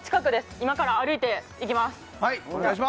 今から歩いて行きます。